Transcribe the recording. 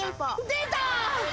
出た！